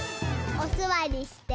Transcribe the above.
おすわりして。